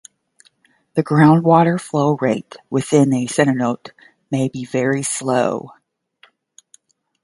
The groundwater flow rate within a cenote may be very slow.